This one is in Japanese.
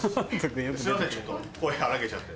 すいませんちょっと声荒らげちゃって。